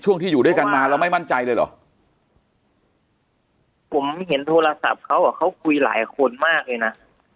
ที่อยู่ด้วยกันมาแล้วไม่มั่นใจเลยเหรอผมเห็นโทรศัพท์เขาอ่ะเขาคุยหลายคนมากเลยนะ